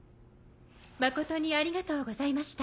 誠にありがとうございました。